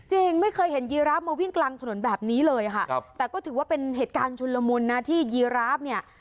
จริงไม่เคยเห็นยีราฟมาวิ่งกลางถนนแบบนี้เลยค่ะครับแต่ก็ถือว่าเป็นเหตุการณ์ชุนละมุนนะที่ยีราฟเนี่ย